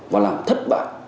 và làm thất bại